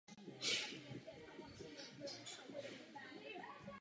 Zastávky mají být v místech dosavadních zastávek autobusů.